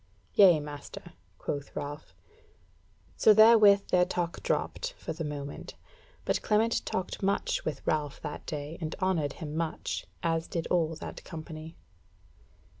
"Yea master," quoth Ralph. So therewith their talk dropped, for the moment; but Clement talked much with Ralph that day, and honoured him much, as did all that company.